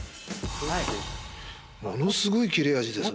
ものすごい切れ味ですね。